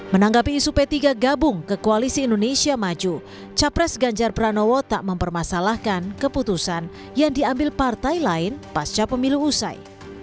menanggapi isu p tiga gabung ke koalisi indonesia maju capres ganjar pranowo tak mempermasalahkan keputusan yang diambil partai lain pasca pemilu usai